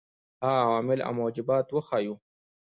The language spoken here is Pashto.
هغه عوامل او موجبات وښيیو.